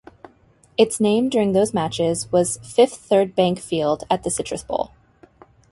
Its name during those matches was Fifth Third Bank Field at the Citrus Bowl.